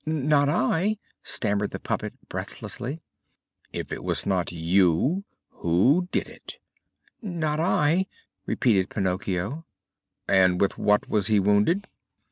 "Not I," stammered the puppet breathlessly. "If it was not you, who then did it?" "Not I," repeated Pinocchio. "And with what was he wounded?"